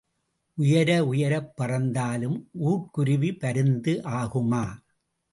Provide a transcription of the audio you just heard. உயர உயரப் பறந்தாலும் ஊர்க் குருவி பருந்து ஆகுமா?